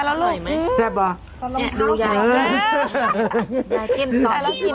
งานนี้ให้ดูยายอย่างนี้